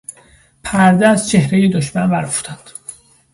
پرده از چهرهٔ دشمن بر افتاد.